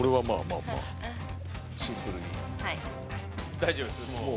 大丈夫ですもう。